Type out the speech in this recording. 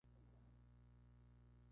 Existe una pesquería en el lago.